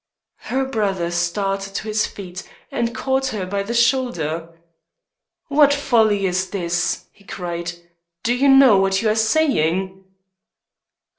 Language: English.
Her brother started to his feet, and caught her by the shoulder. "What folly is this," he cried. "Do you know what you are saying?"